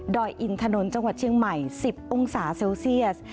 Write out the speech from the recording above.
อยอินถนนจังหวัดเชียงใหม่๑๐องศาเซลเซียส